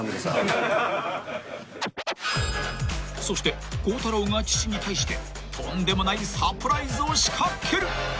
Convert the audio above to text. ［そして孝太郎が父に対してとんでもないサプライズを仕掛ける］